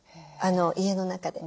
家の中で。